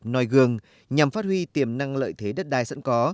nói gương nhằm phát huy tiềm năng lợi thế đất đai sẵn có